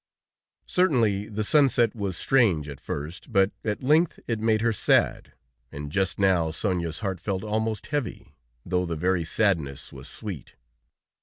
Certainly, the sunset was strange at first, but at length it made her sad, and just now Sonia's heart felt almost heavy, though the very sadness was sweet.